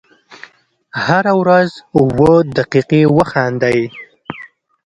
هره ورځ اووه دقیقې وخاندئ .